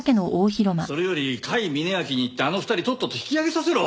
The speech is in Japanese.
それより甲斐峯秋に言ってあの２人とっとと引き揚げさせろ！